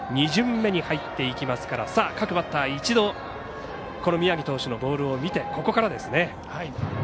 ２巡目に入っていきますから各バッター、一度、宮城投手のボールを見て、ここからですね。